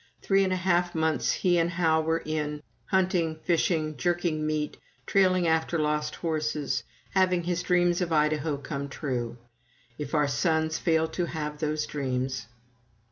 Three and a half months he and Hal were in hunting, fishing, jerking meat, trailing after lost horses, having his dreams of Idaho come true. (If our sons fail to have those dreams!)